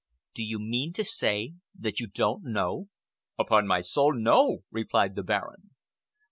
"Do you mean to say that you do not know?" "Upon my soul, no!" replied the Baron.